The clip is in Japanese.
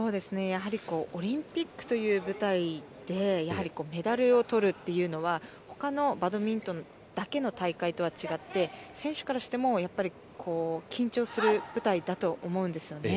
オリンピックという舞台でメダルを取るというのはほかのバドミントンだけの大会とは違って選手からしても緊張する舞台だと思うんですよね。